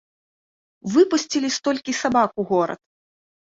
Выпусцілі столькі сабак у горад!